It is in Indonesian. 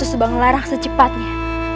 sebuah melarang secepatnya